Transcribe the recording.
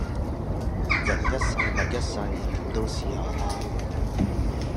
人一世物一世，點都試下啦